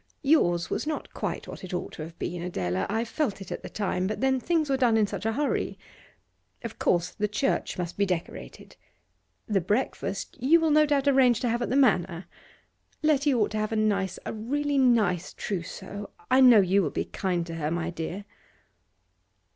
'Yours was not quite what it ought to have been, Adela. I felt it at the time, but then things were done in such a hurry. Of course the church must be decorated. The breakfast you will no doubt arrange to have at the Manor. Letty ought to have a nice, a really nice trousseau; I know you will be kind to her, my dear.